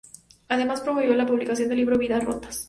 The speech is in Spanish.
Además, promovió la publicación del libro "Vidas Rotas.